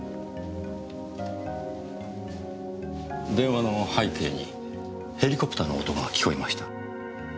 電話の背景にヘリコプターの音が聞こえました。